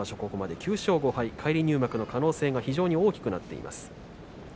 ここまで９勝５敗返り入幕の可能性が大きくなっています。